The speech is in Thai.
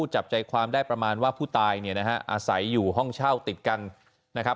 จับใจความได้ประมาณว่าผู้ตายเนี่ยนะฮะอาศัยอยู่ห้องเช่าติดกันนะครับ